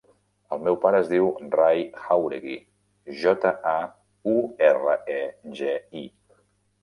El meu pare es diu Rai Jauregi: jota, a, u, erra, e, ge, i.